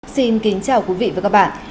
xin kính chào quý vị và các bạn